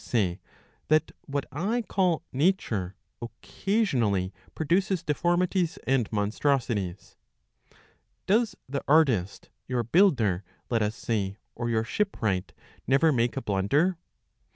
Vll Nature occasionally produces deformities and monstrosities. Does the artist, your builder, let us say, or your shipwright, never make a blunder?